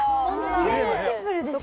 意外にシンプルでした。